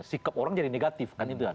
sikap orang jadi negatif kan itu kan